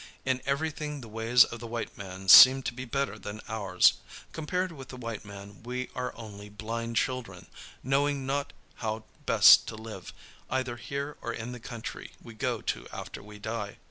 In everything the ways of the white man seem to be better than ours. Compared with the white man we are only blind children, knowing not how best to live either here or in the country we go to after we die.